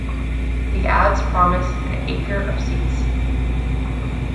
The ads promised "An acre of seats".